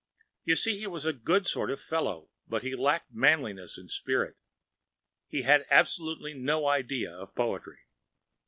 You see he was a good sort of fellow, but he lacked manliness and spirit. He had absolutely no idea of poetry.